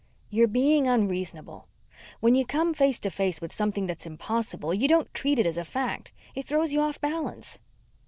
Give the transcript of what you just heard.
"You're being unreasonable. When you come face to face with something that's impossible, you don't treat it as a fact. It throws you off balance."